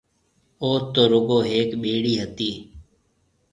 اوٿ تو رُگو ھيَََڪ ٻيڙِي ھتِي۔